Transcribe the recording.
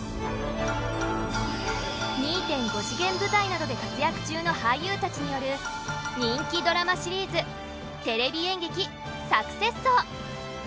２．５次元舞台などで活躍中の俳優たちによる人気ドラマシリーズ『テレビ演劇サクセス荘』。